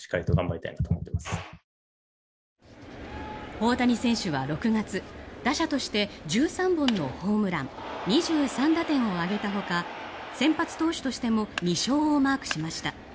大谷選手は６月打者として１３本のホームラン２３打点を挙げたほか先発投手としても２勝をマークしました。